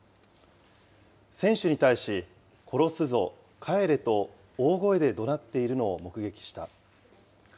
選手に対し、殺すぞ、帰れと大声で怒鳴っているのを目撃した。